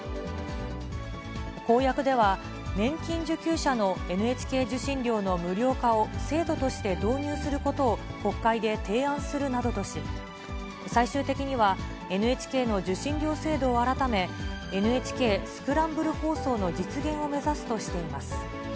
公約では年金受給者のＮＨＫ受信料の無料化を制度として導入することを、国会で提案するなどとし、最終的には、ＮＨＫの受信料制度を改め、ＮＨＫスクランブル放送の実現を目指すとしています。